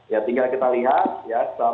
ya tinggal kita lihat ya